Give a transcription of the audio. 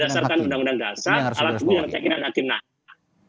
berdasarkan undang undang dasar alat bukti yang keyakinan hakimah